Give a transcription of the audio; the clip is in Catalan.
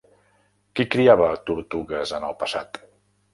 Qui criava tortugues en el passat?